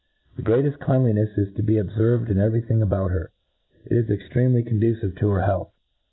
The greateft cleanlinefs is to be obferved in evexy thing about her, and is exceedingly coa ducive to her health.